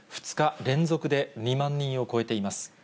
２日連続で２万人を超えています。